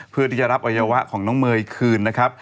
เพื่อที่จะรับอวัยวะของน้องเมย์คืนนะครับ